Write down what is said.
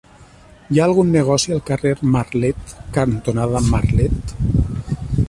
Hi ha algun negoci al carrer Marlet cantonada Marlet?